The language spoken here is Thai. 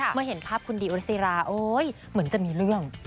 เมื่อเห็นภาพคุณดีโอซีราโอ๊ยเหมือนจะมีเรื่อง